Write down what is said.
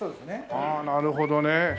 ああなるほどね。